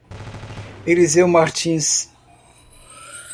Eliseu Martins